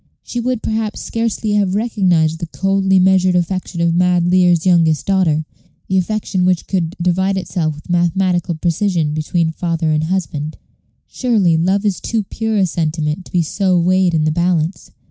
She would perhaps scarcely have recognized the coldly measured affection of mad Lear's youngest daughter the affection which could divide itself with mathematical precision between father and husband. Surely, love is too pure a sentiment to be so weighed in the balance.